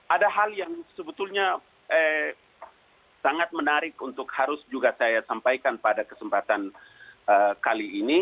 ada hal yang sebetulnya sangat menarik untuk harus juga saya sampaikan pada kesempatan kali ini